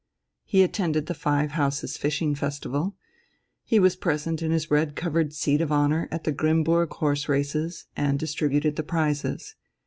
He attended the Five Houses' Fishing festival, he was present in his red covered seat of honour at the Grimmburg horse races and distributed the prizes.